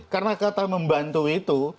karena kata membantu itu